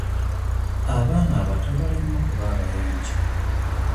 Abaana abato balina okuba abayonjo.